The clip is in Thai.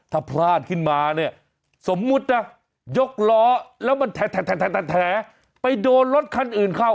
ถ้าพลาดขึ้นมาสมมุติยกร้อนแล้วมันแถียไปโดนรถขั้นอื่นเข้า